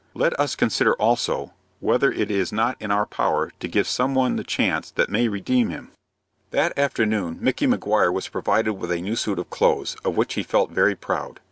Let us consider also whether it is not in our power to give some one the chance that may redeem him. That afternoon Micky Maguire was provided with a new suit of clothes, of which he felt very proud.